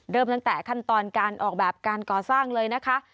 เริ่มตั้งแต่ขั้นตอนการออกแบบการก่อสร้างเลยนะคะ